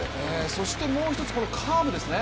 そしてもう一つ、このカーブですね。